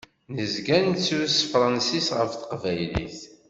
Nezga nettru s tefransist ɣef teqbaylit.